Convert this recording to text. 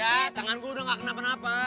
ya tangan gue udah gak kenapa napa